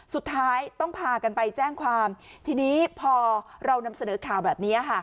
สุดท้ายต้องพากันไปแจ้งความทีนี้พอเรานำเสนอข่าวแบบนี้ค่ะ